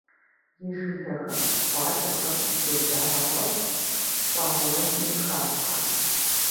И жылэхэм, къуакӏэхэм эфир дагъэ щӏэтщ, щӏэгъэуэнми халъхьэ.